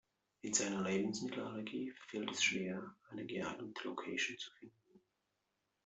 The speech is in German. Mit seiner Lebensmittelallergie fällt es schwer, eine geeignete Location zu finden.